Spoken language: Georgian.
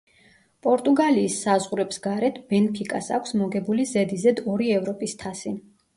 პორტუგალიის საზღვრებს გარეთ, „ბენფიკას“ აქვს მოგებული ზედიზედ ორი ევროპის თასი.